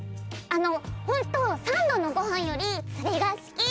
あのホント三度のごはんより釣りが好き。